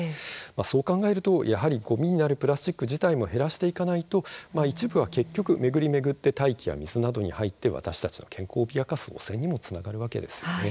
そう考えるとやはりごみになるプラスチック自体を減らしていかないと一部は結局巡り巡って大気や水などに入って私たちの健康を脅かす可能性もあるわけです。